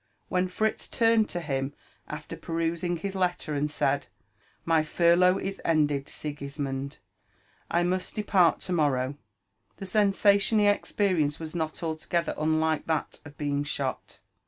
When Fritz turned to him after perusing his letter, and said, *' My furlough is ended, Sigismond ! I must depart to morow V* the sensation he experienced was not altogether unlike that of being shot.